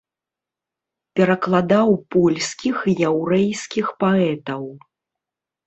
Перакладаў польскіх і яўрэйскіх паэтаў.